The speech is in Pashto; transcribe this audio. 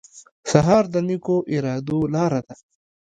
سهار د نیکو ارادو لاره ده.